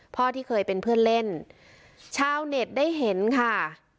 พ่อที่เคยเป็นเพื่อนเล่นชาวเน็ตได้เห็นค่ะ